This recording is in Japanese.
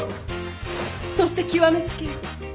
そして極め付けは。